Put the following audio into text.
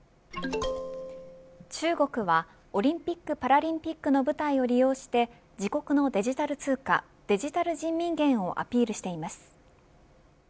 中国はオリンピックパラリンピックの舞台を利用して自国のデジタル通貨デジタル人民元をアピールしています。